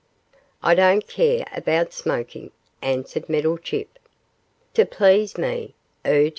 'I don't care about smoking,' answered Meddlechip. 'To please me,' urged M.